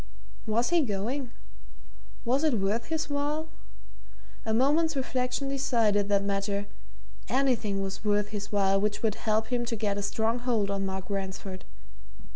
Was he going? was it worth his while? A moment's reflection decided that matter anything was worth his while which would help him to get a strong hold on Mark Ransford.